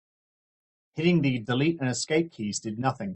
Hitting the delete and escape keys did nothing.